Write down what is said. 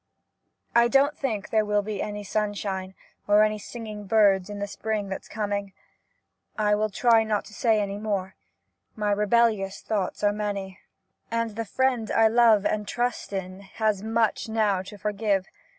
I don't think there will be any sunshine, or any singing birds in the spring that 's coming. ... I will try not to say any more — my rebellious thoughts are many, and the friend I love and trust in has much now to for give.